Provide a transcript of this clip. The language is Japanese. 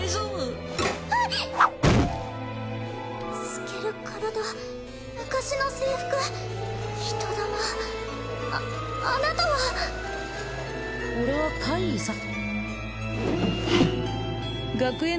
透ける体昔の制服人魂ああなたは俺は怪異さ学園